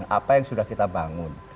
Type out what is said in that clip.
apa yang sudah kita bangun